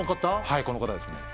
はいこの方ですね